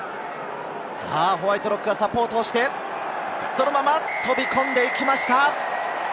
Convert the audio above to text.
ホワイトロックがサポートして、そのまま飛び込んでいきました！